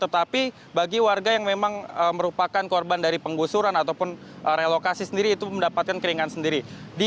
tetapi bagi warga yang memang merupakan korban dari penggusuran ataupun relokasi sendiri itu mendapatkan keringan sendiri